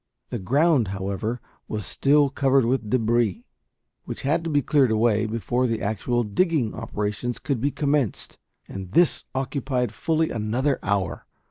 The ground, however, was still covered with debris, which had to be cleared away before the actual digging operations could be commenced, and this occupied fully another hour.